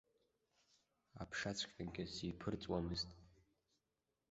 Аԥшаҵәҟьагьы зиԥырҵуамызт.